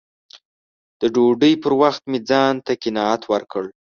د ډوډۍ پر وخت مې ځان ته قناعت ورکړ